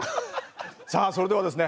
さあそれではですね